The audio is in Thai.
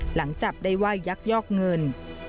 หลังจับได้ว่ายักยอกเงิน